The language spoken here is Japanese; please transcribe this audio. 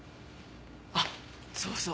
あっそうそう！